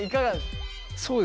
そうですね。